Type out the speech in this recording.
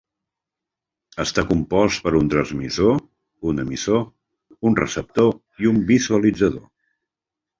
Està compost per un transmissor, un emissor, un receptor i un visualitzador.